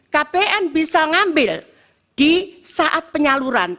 kpn bisa ngambil di saat penyaluran